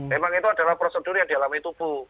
memang itu adalah prosedur yang dialami tubuh